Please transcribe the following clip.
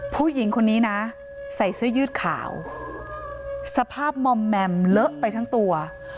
ผู้หญิงคนนี้นะใส่เสื้อยืดขาวสภาพมอมแมมเลอะไปทั้งตัว